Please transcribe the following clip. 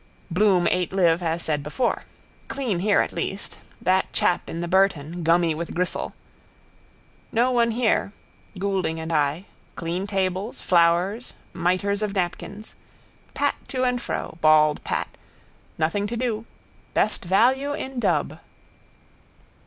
Bloom ate liv as said before. Clean here at least. That chap in the Burton, gummy with gristle. No one here: Goulding and I. Clean tables, flowers, mitres of napkins. Pat to and fro. Bald Pat. Nothing to do. Best value in Dub.